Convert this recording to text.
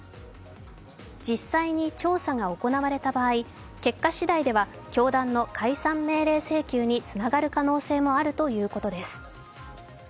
実際に調査が行われた場合結果しだいでは教団の解散命令請求につながる可能性もあるということです。